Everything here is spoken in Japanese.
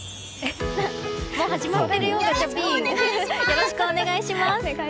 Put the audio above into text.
よろしくお願いします！